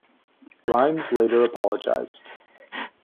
Rhymes later apologized.